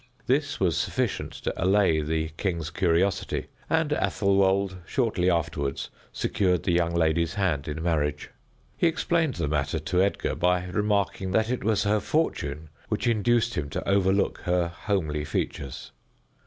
This was sufficient to allay the king's curiosity, and Athelwold shortly afterward secured the young lady's hand in marriage. He explained the matter to Edgar by remarking that it was her fortune which induced him to overlook her homely features.